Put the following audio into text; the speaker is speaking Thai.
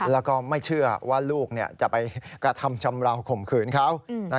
แล้วก็ไม่เชื่อว่าลูกจะไปกระทำชำราวข่มขืนเขา